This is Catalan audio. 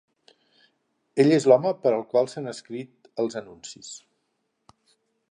Ell és l'home per al qual s'han escrit els anuncis.